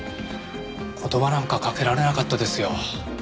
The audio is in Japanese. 言葉なんかかけられなかったですよ。